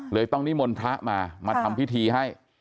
เลยตั้งที่มนตรมามาทำพิธีมาให้